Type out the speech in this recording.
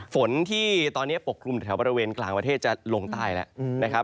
ฝนที่ตอนนี้ปกคลุมแถวบริเวณกลางประเทศจะลงใต้แล้วนะครับ